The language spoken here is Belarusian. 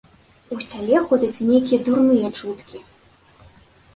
У сяле ходзяць нейкія дурныя чуткі.